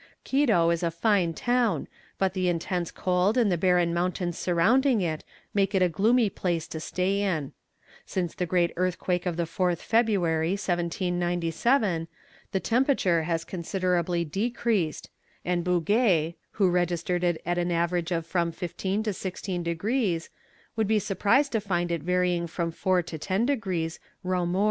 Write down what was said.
Quito is a fine town, but the intense cold and the barren mountains surrounding it make it a gloomy place to stay in. Since the great earthquake of the 4th February, 1797, the temperature has considerably decreased, and Bouguer, who registered it at an average of from 15 degrees to 16 degrees would be surprised to find it varying from 4 degrees to 10 degrees Reaumur.